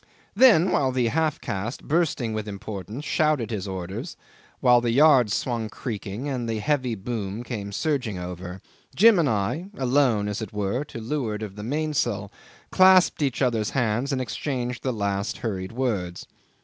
'Then, while the half caste, bursting with importance, shouted his orders, while the yards swung creaking and the heavy boom came surging over, Jim and I, alone as it were, to leeward of the mainsail, clasped each other's hands and exchanged the last hurried words.